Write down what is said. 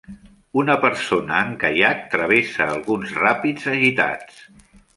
Una persona en caiac travessa alguns ràpids agitats.